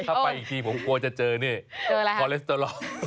ถ้าไปอีกทีผมกลัวจะเจอนี่คอเลสเตอรอ